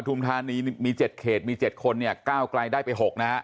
ธานีมี๗เขตมี๗คนเนี่ยก้าวไกลได้ไป๖นะฮะ